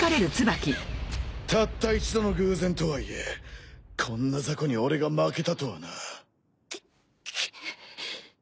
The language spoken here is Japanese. たった一度の偶然とはいえこんなザコに俺が負けたとはな。